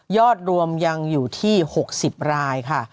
อดรวมยังอยู่ที่๖๐รายค่ะ